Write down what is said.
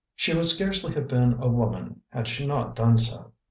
She would scarcely have been a woman had she not done so.